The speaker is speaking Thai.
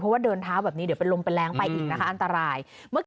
เพราะว่าเดินทางแบบนี้เดี๋ยวเป็นลมเป็นแรงไปอีกนะคะอันตราย